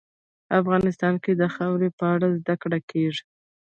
افغانستان کې د خاوره په اړه زده کړه کېږي.